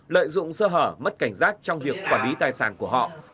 lợi dụng sơ hở mất cảnh giác trong việc quản lý tài sản của họ